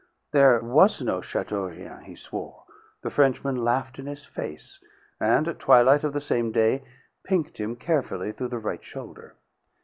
There was no Chateaurien, he swore. The Frenchman laughed in his face, and, at twilight of the same day, pinked him carefully through the right shoulder.